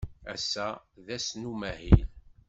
Ass-a d ass n umahil.